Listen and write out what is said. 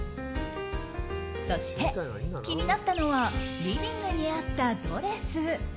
そして気になったのはリビングにあったドレス。